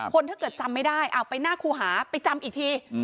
ถ้าเกิดจำไม่ได้เอาไปหน้าครูหาไปจำอีกที